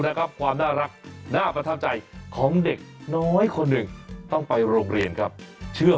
เด็กเราก็ชอบเอาพวกจิงจกตุ๊กแกไปหยอกครู